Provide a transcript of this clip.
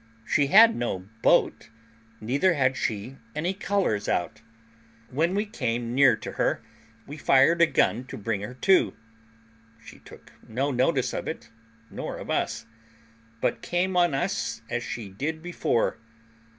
She had no boat, neither had she any colours out. When we came near to her, we fired a gun to bring her to. She took no notice of it, nor of us, but came on just as she did before.